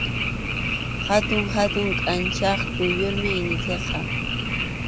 Hatun hatun kʼanchaq quyllurmi initiqa.